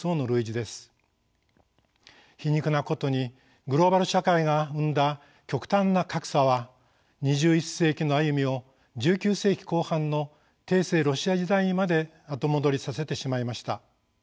皮肉なことにグローバル社会が生んだ極端な格差は２１世紀の歩みを１９世紀後半の帝政ロシア時代にまで後戻りさせてしまいました。